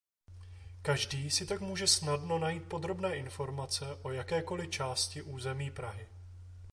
Každý si tak může snadno najít podrobné informace o jakékoli části území Prahy.